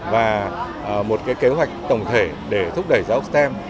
và một kế hoạch tổng thể để thúc đẩy giáo dục stem